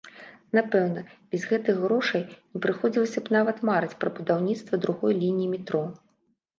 Напэўна, без гэтых грошай не прыходзілася б нават марыць пра будаўніцтва другой лініі метро.